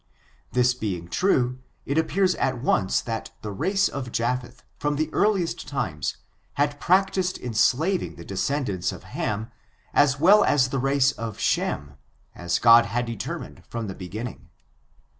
This being true, it ap pears at once that the race of Japheik, from the earli est times, had practiced enslaving the descendants of Ham, as well as the race of Shem, as God had deter mined from the beginning.